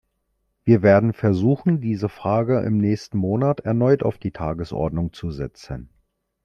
Wir werden versuchen, diese Frage im nächsten Monat erneut auf die Tagesordnung zu setzen.